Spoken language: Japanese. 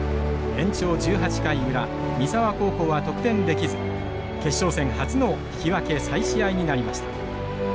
延長１８回裏三沢高校は得点できず決勝戦初の引き分け再試合になりました。